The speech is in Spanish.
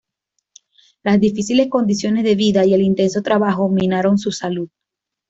Las difíciles condiciones de vida y el intenso trabajo minaron su salud.